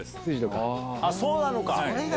そうなのか！